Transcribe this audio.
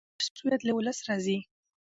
د دولت مشروعیت له ولس راځي